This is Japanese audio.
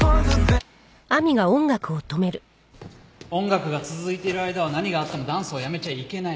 音楽が続いてる間は何があってもダンスをやめちゃいけない。